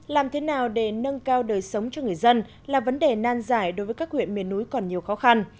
làm thế nào để nâng cao đời sống cho người dân là vấn đề nan giải đối với các huyện miền núi còn nhiều khó khăn